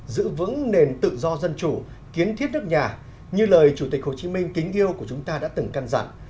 giữ vững nền tự do dân chủ kiến thiết nước nhà như lời chủ tịch hồ chí minh kính yêu của chúng ta đã từng căn dặn